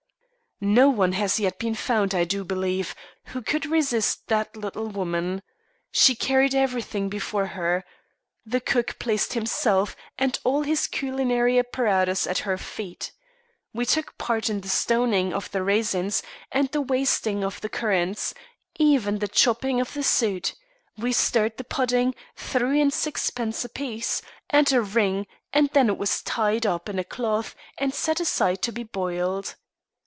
No one has yet been found, I do believe, who could resist that little woman. She carried everything before her. The cook placed himself and all his culinary apparatus at her feet. We took part in the stoning of the raisins, and the washing of the currants, even the chopping of the suet; we stirred the pudding, threw in sixpence apiece, and a ring, and then it was tied up in a cloth, and set aside to be boiled.